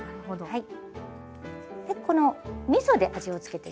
はい。